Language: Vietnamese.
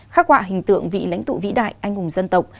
khắc họa hình tượng vị lãnh tụ vĩ đại anh hùng dân tộc